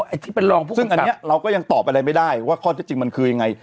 ไอ้ที่เป็นรองผู้ซึ่งอันนี้เราก็ยังตอบอะไรไม่ได้ว่าข้อเท็จจริงมันคือยังไง